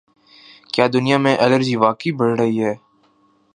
کیا دنیا میں الرجی واقعی بڑھ رہی ہے